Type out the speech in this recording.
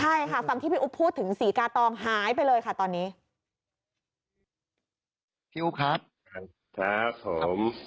ใช่ค่ะฟังพี่อุ๊บพูดถึงสีกาตองหายไปเลยค่ะตอนนี้